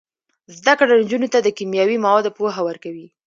زده کړه نجونو ته د کیمیاوي موادو پوهه ورکوي.